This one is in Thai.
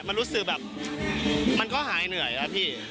มันรู้สึกแบบมันก็หายเหนื่อยครับพี่